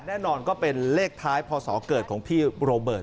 แน่นอนก็เป็นเลขท้ายพศเกิดของพี่โรเบิร์ต